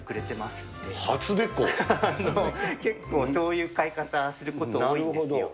結構、そういう買い方すること多いんですよ。